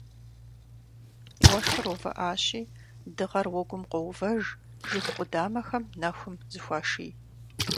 Уэшхыр увыӏащи, дыгъэр уэгум къоувэж, жыг къудамэхэм нэхум зыхуаший.